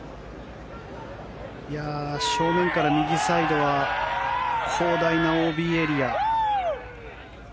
正面から右サイドは広大なＯＢエリア。